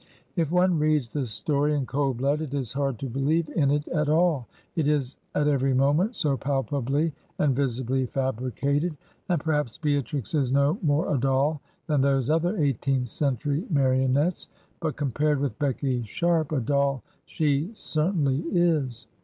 If one reads the story in cold blood it is hard to believe in it at all, it is at every moment so palpably and visibly fabricated; and perhaps Beatrix is no more a doll than those other eighteenth century marionettes ; but compared with Becky Sharp a doll she certainly is.